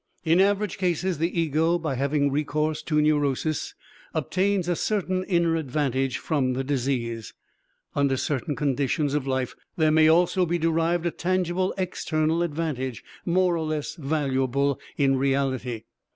In average cases the ego, by having recourse to neurosis, obtains a certain inner advantage from the disease. Under certain conditions of life, there may also be derived a tangible external advantage, more or less valuable in reality.